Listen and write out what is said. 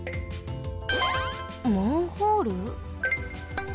マンホール？